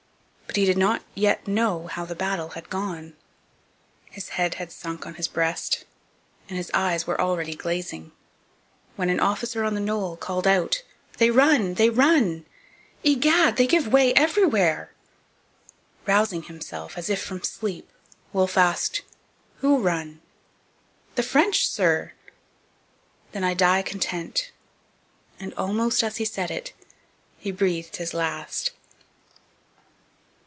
But he did not yet know how the battle had gone. His head had sunk on his breast, and his eyes were already glazing, when an officer on the knoll called out, 'They run! They run! 'Egad, they give way everywhere!' Rousing himself, as if from sleep, Wolfe asked, 'Who run?' 'The French, sir!' 'Then I die content!' and, almost as he said it, he breathed his last.